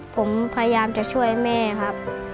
ผมพยายามจะช่วยแม่ครับ